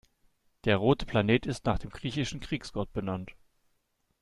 Der rote Planet ist nach dem griechischen Kriegsgott benannt.